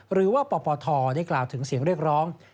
หรือว่าปปทได้กล่าวถึงเสียงเรียกร้อง